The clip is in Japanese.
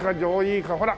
ほら！